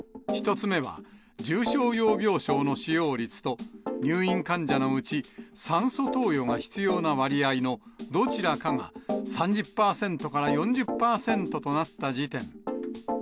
１つ目は、重症用病床の使用率と、入院患者のうち酸素投与が必要な割合のどちらかが３０％から４０％となった時点。